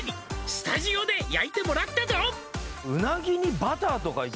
「スタジオで焼いてもらったぞ」